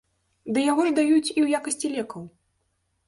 Ды яго ж даюць і ў якасці лекаў.